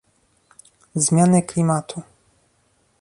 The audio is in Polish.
Zmiany klimatu